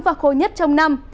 và khô nhất trong năm